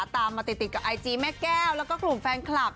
ตามมาติดกับไอจีแม่แก้วแล้วก็กลุ่มแฟนคลับ